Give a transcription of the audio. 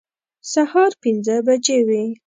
سهار پنځه بجې وې.